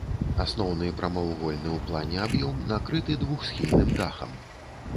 Асноўны прамавугольны ў плане аб'ём накрыты двухсхільным дахам.